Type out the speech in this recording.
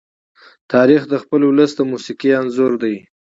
تاریخ د خپل ولس د موسیقي انځور دی.